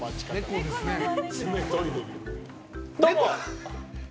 どうも！